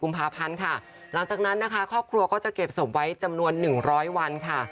กุมภาพันธ์ค่ะหลังจากนั้นนะคะครอบครัวก็จะเก็บสมไว้จำนวนหนึ่งร้อยวันค่ะ